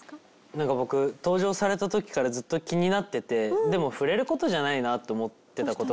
なんか僕登場された時からずっと気になっててでも触れる事じゃないなと思ってた事が。